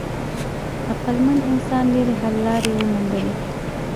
عقلمن انسان ډېرې حل لارې وموندلې.